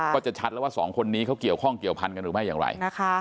ก็จะชัดแล้วว่าสองคนนี้เขาเกี่ยวข้องเกี่ยวพันธุ์หรือไม่อย่างไรนะคะ